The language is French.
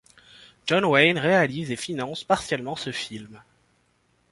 John Wayne réalise et finance partiellement ce film.